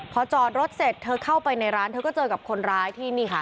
พอจอดรถเสร็จเธอเข้าไปในร้านเธอก็เจอกับคนร้ายที่นี่ค่ะ